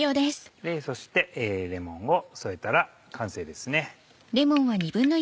そしてレモンを添えたら完成ですね。